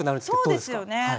そうですよね。